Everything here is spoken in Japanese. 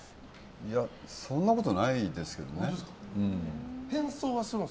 いやそんなことないですけどね。